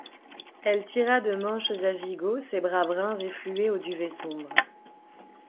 Elle tira de manches à gigot ses bras bruns et fluets au duvet sombre.